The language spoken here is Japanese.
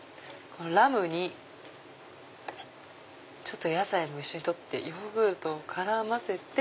ラムに野菜も一緒に取ってヨーグルトを絡ませて。